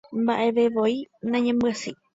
Mbaʼevevoi nañambyasýi.